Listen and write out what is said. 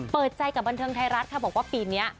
เปิดใจกับบันเทิงไทยรัฐค่ะบอกว่าปีนี้